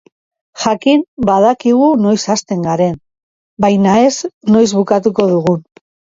Jakin badakigu noiz hasten garen, baina ez noiz bukatuko dugun.